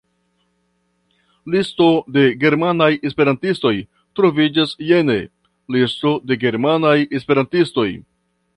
Listo de germanaj esperantistoj troviĝas jene: Listo de germanaj esperantistoj.